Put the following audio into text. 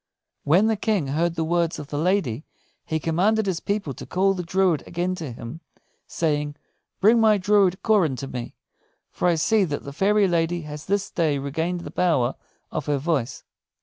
When the King heard the words of the lady, he commanded his people to call the druid again to him, saying, "Bring my druid Coran to me; for I see that the fairy lady has this day regained the power of her voice."